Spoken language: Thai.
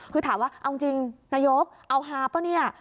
คือถามว่าเอาจริงนายกเอาฮาป่ะเนี่ย